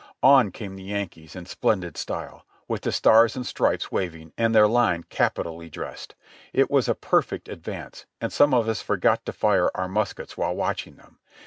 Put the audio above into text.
On came the Yankees in splendid style, with the Stars and Stripes waving and their line capitally dressed. It was a perfect advance, and some of us forgot to fire our muskets while watching them.